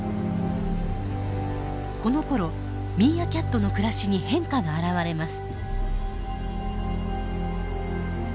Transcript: このころミーアキャットの暮らしに変化が現れます。